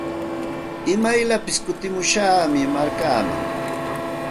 Imayllapis kutimushaqmi markaaman.